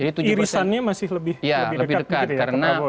irisannya masih lebih dekat begitu ya ke pranowo ya